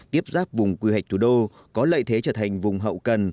tiếp giáp vùng quy hoạch thủ đô có lợi thế trở thành vùng hậu cần